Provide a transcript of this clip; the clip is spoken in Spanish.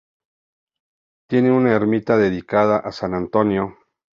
Tiene una ermita dedicada a San Antonio.